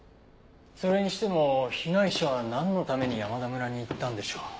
それにしても被害者はなんのために山田村に行ったんでしょう？